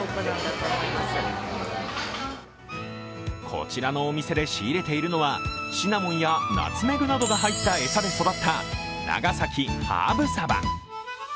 こちらのお店で仕入れているのは、シナモンやナツメグなどが入った餌で育った長崎ハーブ鯖。